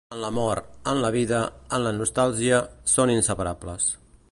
En l'amor, en la vida, en la nostàlgia, són inseparables.